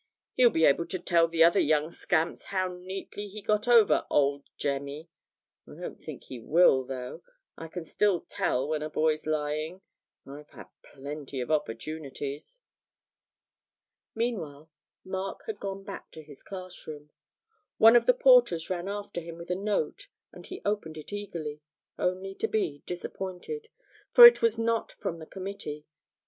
He'll be able to tell the other young scamps how neatly he got over "old Jemmy." I don't think he will, though. I can still tell when a boy's lying I've had plenty of opportunities.' Meanwhile Mark had gone back to his class room. One of the porters ran after him with a note, and he opened it eagerly, only to be disappointed, for it was not from the committee.